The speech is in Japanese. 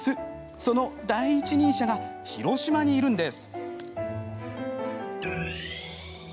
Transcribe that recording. その第一人者が広島にいるんです。